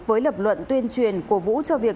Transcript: với lập luận tuyên truyền của vũ cho việc